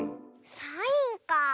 サインかあ。